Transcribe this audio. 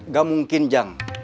gak mungkin jang